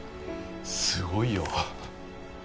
すごいよ！